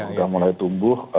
sudah mulai tumbuh